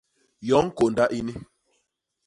Yoñ kônda ini!